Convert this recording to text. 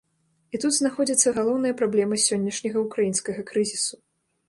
І тут знаходзіцца галоўная праблема сённяшняга ўкраінскага крызісу.